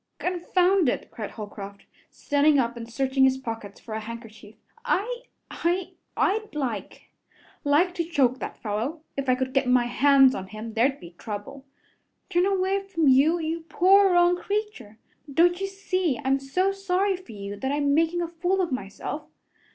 "Confound it!" cried Holcroft, standing up and searching his pockets for a handkerchief. "I I I'd like like to choke that fellow. If I could get my hands on him, there'd be trouble. Turn away from you, you poor wronged creature! Don't you see I'm so sorry for you that I'm making a fool of myself?